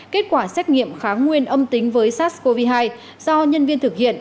kết quả xét nghiệm kháng nguyên âm tính với sars cov hai do nhân viên thực hiện